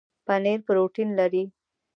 پنیر پروټین لري